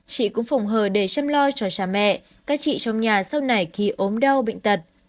chị cũng phùng hờ để chăm lo cho cha mẹ các chị trong nhà sau này khi ốm đau bệnh tật